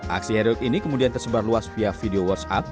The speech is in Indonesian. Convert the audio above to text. aksi heroik ini kemudian tersebar luas via video whatsapp